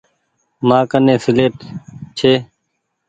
مآڪني سيليٽ ڇي۔